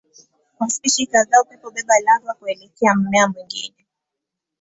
Kwa spishi kadhaa upepo hubeba lava kuelekea mmea mwingine.